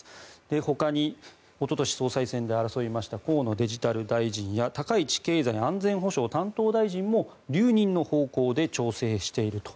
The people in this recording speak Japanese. ほかにおととし総裁選で争いました河野デジタル大臣や高市経済安全保障担当大臣も留任の方向で調整していると。